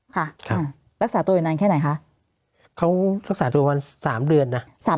ค่ะรักษาตัวอยู่นานแค่ไหนคะเขารักษาตัวประมาณ๓เดือนนะ